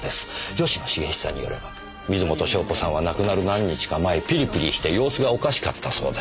吉野茂久によれば水元湘子さんは亡くなる何日か前ピリピリして様子がおかしかったそうです。